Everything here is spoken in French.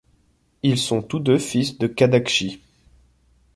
Ils sont tous deux fils de Qadaqchi.